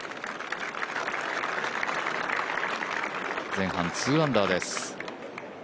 前半、２アンダーです。